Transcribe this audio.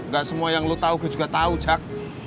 gak semua yang lu tau gue juga tau cak